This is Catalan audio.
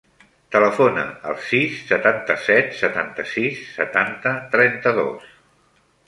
Telefona al sis, setanta-set, setanta-sis, setanta, trenta-dos.